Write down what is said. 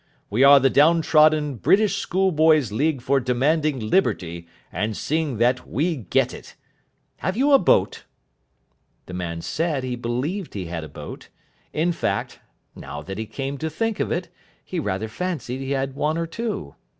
We are the Down trodden British Schoolboys' League for Demanding Liberty and seeing that We Get It. Have you a boat?" The man said he believed he had a boat. In fact, now that he came to think of it, he rather fancied he had one or two.